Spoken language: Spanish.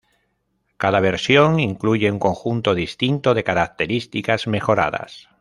Cada versión incluye un conjunto distinto de características mejoradas.